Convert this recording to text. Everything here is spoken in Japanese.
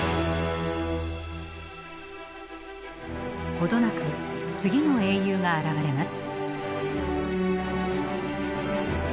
ほどなく次の英雄が現れます。